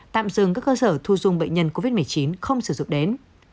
tạm dừng các cơ sở thu dung bệnh nhân covid một mươi chín không sử dụng đến